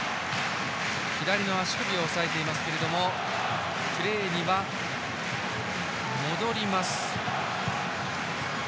左の足首を押さえていますけどプレーには戻ります。